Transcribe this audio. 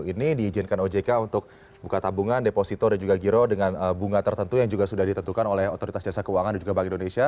ini diizinkan ojk untuk buka tabungan deposito dan juga giro dengan bunga tertentu yang juga sudah ditentukan oleh otoritas jasa keuangan dan juga bank indonesia